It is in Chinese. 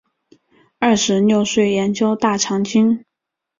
二十六岁研究大藏经。